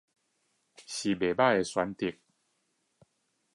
是不錯的選擇